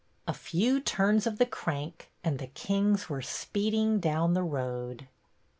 A few turns of the crank and the Kings were speeding down the road.